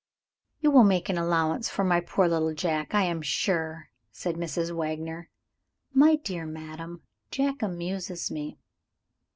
"You will make allowances for my poor little Jack, I am sure," said Mrs. Wagner. "My dear madam, Jack amuses me!"